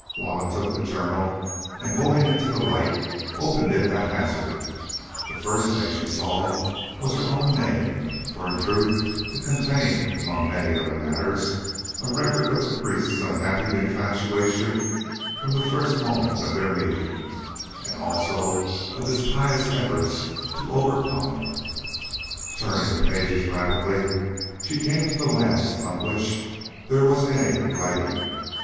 Juanna took the journal, and holding it to the light, opened it at hazard. The first thing that she saw was her own name, for in truth it contained, among many other matters, a record of the priest's unhappy infatuation from the first moment of their meeting, and also of his pious efforts to overcome it. Turning the pages rapidly she came to the last on which there was any writing.